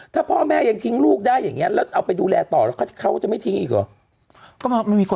ถ้าพ่อแม่ยังทิ้งลูกได้อย่างนี้